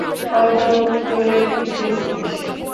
কত জোরে টিপতেছিস।